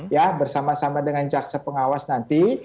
ya bersama sama dengan jaksa pengawas nanti